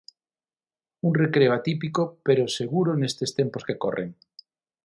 Un recreo atípico, pero seguro nestes tempos que corren.